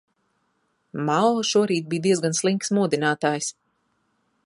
Mao šorīt bija diezgan slinks modinātājs.